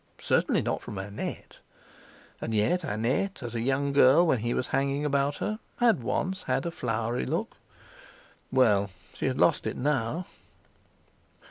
Certainly not from Annette! And yet Annette, as a young girl, when he was hanging about her, had once had a flowery look. Well, she had lost it now!